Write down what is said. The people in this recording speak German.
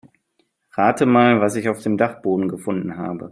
Rate mal, was ich auf dem Dachboden gefunden habe.